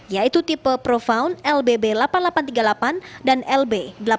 yaitu tipe profound lbb delapan ribu delapan ratus tiga puluh delapan dan lb delapan ribu delapan ratus tiga puluh sembilan